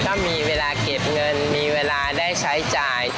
ถ้ามีเวลาเก็บเงินมีเวลาได้ใช้จ่าย